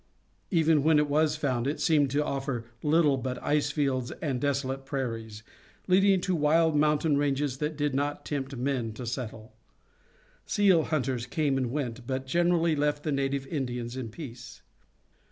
Even when it was found it seemed to offer little but ice fields and desolate prairies, leading to wild mountain ranges that did not tempt men to settle. Seal hunters came and went, but generally left the native Indians in peace.